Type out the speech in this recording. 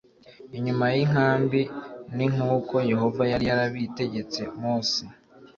inyuma y inkambi n nk uko Yehova yari yarabitegetse Mose